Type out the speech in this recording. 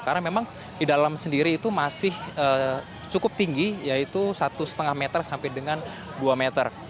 karena memang di dalam sendiri itu masih cukup tinggi yaitu satu lima meter sampai dengan dua meter